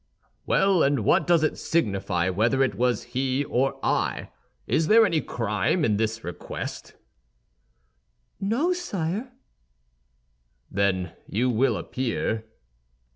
"Well, and what does it signify whether it was he or I? Is there any crime in this request?" "No, sire." "Then you will appear?"